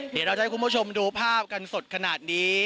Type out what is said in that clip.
เดี๋ยวเราจะให้คุณผู้ชมดูภาพกันสดขนาดนี้